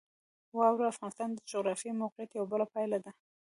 واوره د افغانستان د جغرافیایي موقیعت یوه پایله ده.